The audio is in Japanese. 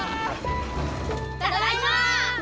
ただいま。